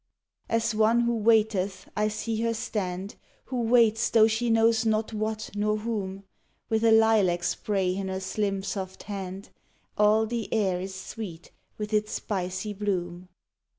As one who waiteth I see her stand, Who waits though she knows not what nor whom, With a lilac spray in her slim soft hand: All the air is sweet with its spicy bloom.